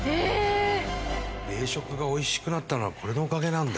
冷食が美味しくなったのはこれのおかげなんだ。